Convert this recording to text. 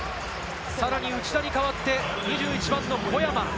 さらに内田に代わって２１番の小山。